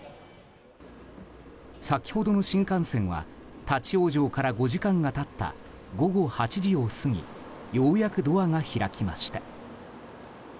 先ほどの新幹線は立ち往生から５時間が経った午後８時を過ぎようやくドアが開きました。